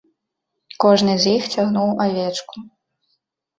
Кожны з іх цягнуў авечку.